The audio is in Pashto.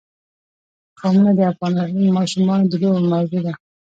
قومونه د افغان ماشومانو د لوبو موضوع ده.